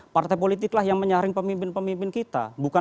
partai politiklah yang menyaring pemimpin pemimpin kita